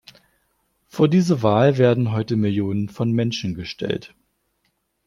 Vor diese Wahl werden heute Millionen von Menschen gestellt.